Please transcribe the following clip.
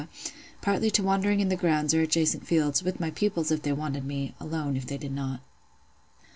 partly to wandering in the grounds or adjacent fields, with my pupils if they wanted me, alone if they did not.